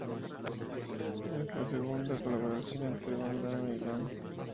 Es la segunda colaboración entre Van Damme y Lam.